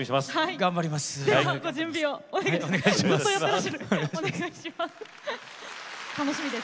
頑張ります。